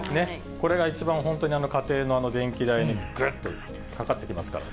これが一番、本当に家庭の電気代にぐっとかかってきますから。